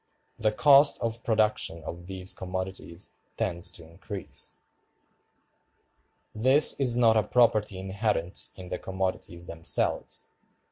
The cost of production of these commodities tends to increase. This is not a property inherent in the commodities themselves.